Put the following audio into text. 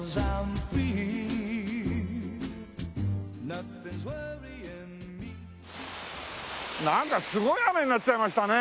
なんかすごい雨になっちゃいましたね。